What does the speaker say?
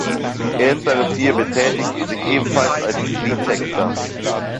Erstere vier betätigten sich ebenfalls als Liedtexter.